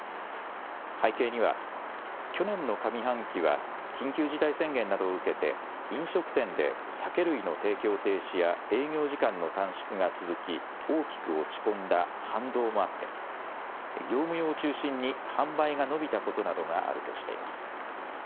背景には去年の上半期は緊急事態宣言などを受けて飲食店で酒類の提供停止や営業時間の短縮が続き大きく落ち込んだ反動もあって業務用を中心に販売が伸びたことなどがあるとしています。